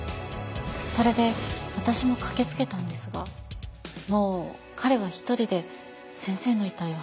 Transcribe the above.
それで私も駆けつけたんですがもう彼は一人で先生の遺体を運び出したあとで。